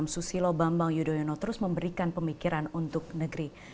susilo bambang yudhoyono terus memberikan pemikiran untuk negeri